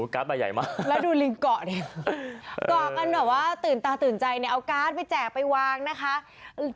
การ์ดได้ใหญ่มากหรือว่าตื่นตาตื่นใจเอาการ์ดไปแจกไปวางนิดหนึ่ง